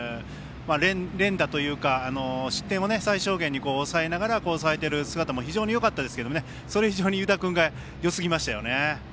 連打というか失点を最小限に抑えている姿も非常によかったですけどそれ以上に湯田君がよすぎましたね。